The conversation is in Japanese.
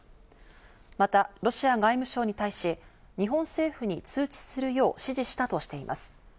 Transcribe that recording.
またロシア外務省に対し、日本政府に通知するよう指示したとしています。